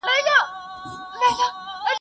دا بايد هېر نه کړو.